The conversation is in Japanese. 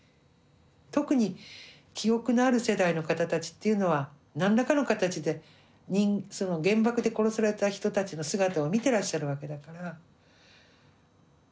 特に記憶のある世代の方たちっていうのは何らかの形でその原爆で殺された人たちの姿を見てらっしゃるわけだから。